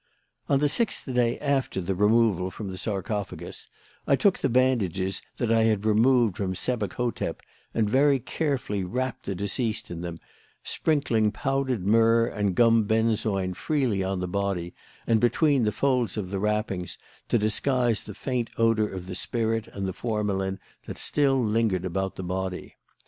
"On the sixth day after the removal from the sarcophagus, I took the bandages that I had removed from Sebek hotep and very carefully wrapped the deceased in them, sprinkling powdered myrrh and gum benzoin freely on the body and between the folds of the wrappings to disguise the faint odour of the spirit and the formalin that still lingered about the body.